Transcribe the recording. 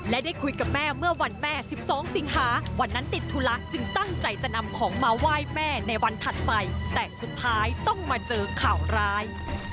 และได้คุยกับแม่เมื่อวันแม่๑๒สิงหาวันนั้นติดธุระจึงตั้งใจจะนำของมาไหว้แม่ในวันถัดไปแต่สุดท้ายต้องมาเจอข่าวร้าย